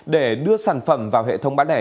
để đưa sản phẩm vào hệ thống bán đẻ